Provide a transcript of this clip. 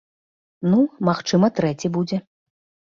Ну, магчыма трэці будзе.